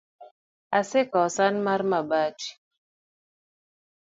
Asekawo san mar mabati